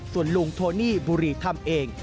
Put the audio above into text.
ส่วนลุงโทนี่บุรีทำเอง